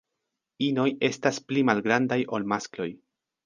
Inoj estas pli malgrandaj ol maskloj.